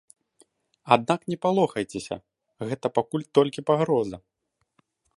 Аднак не палохайцеся, гэта пакуль толькі пагроза.